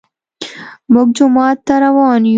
موږ جومات ته روان يو